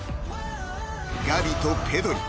［ガヴィとペドリ］